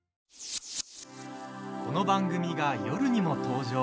この番組が夜にも登場。